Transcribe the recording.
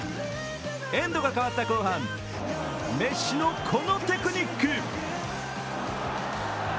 エンドが変わった後半、メッシのこのテクニック。